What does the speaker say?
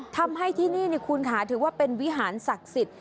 ทำให้ที่นี่คุณค่ะถือว่าเป็นวิหารศักดิ์สิทธิ